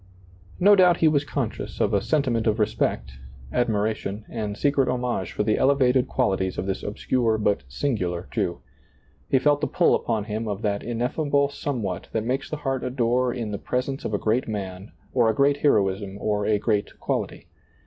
No doubt he was conscious of a sen timent of respect, admiration, and secret homage for the elevated qualities of this obscure but sin gular Jew, He felt the pull upon him of that in effable somewhat that makes the heart adore in the presence of a great man or a great heroism or a great quality.